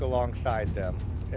saya senang bisa bekerja bersama mereka